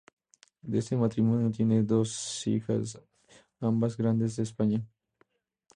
De este matrimonio tiene dos hijas, ambas Grandes de España;